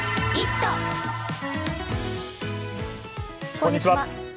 こんにちは。